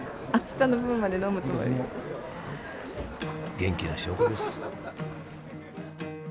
元気な証拠です。